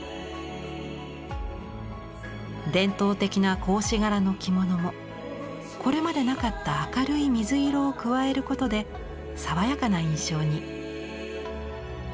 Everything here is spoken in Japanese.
伝統的な格子柄の着物もこれまでなかった明るい水色を加えることで爽やかな印象に。